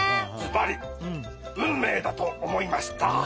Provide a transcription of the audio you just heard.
ズバリ「運命」だと思いました！